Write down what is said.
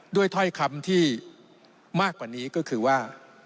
ถ้อยคำที่มากกว่านี้ก็คือว่า